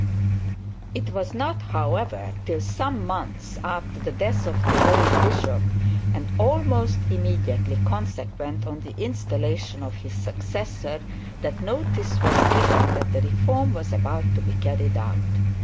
It was not, however, till some months after the death of the old bishop, and almost immediately consequent on the installation of his successor, that notice was given that the reform was about to be carried out.